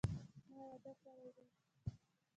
ما واده کړی دي